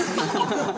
ハハハハ。